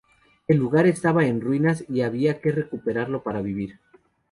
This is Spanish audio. El lugar estaba en ruinas y había que recuperarlo para vivir.